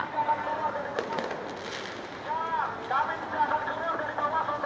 kami menangkap dua ratus lima puluh tujuh orang yang tersangka terkacau